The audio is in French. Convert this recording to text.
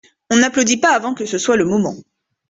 On n’applaudit pas avant que ce soit le moment.